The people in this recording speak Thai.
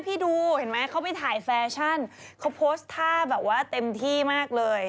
พี่ดูเห็นมั้ยเข้าไปถ่ายแฟชั่นเขาโพสต์ธาพร์ตเต็มที่มากเลย